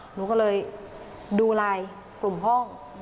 หนูก็เลยดูไลน์กลุ่มห้อง